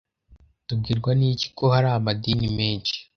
Tubwirwa n iki ko hari amadini menshi